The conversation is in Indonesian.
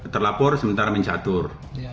terlapor sementara mencatur